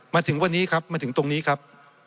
มาถึงวันนี้ครับมาถึงตรงนี้ครับ